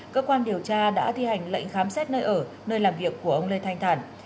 cơ quan điều tra đã thi hành lệnh khám xét nơi ở nơi làm việc của ông lê thanh thản